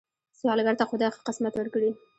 سوالګر ته خدای ښه قسمت ورکړي